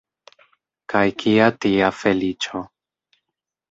Kaj kia tia feliĉo?